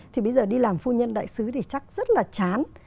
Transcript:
thì bây giờ đi làm phu nhân đại sứ thì chắc rất là chán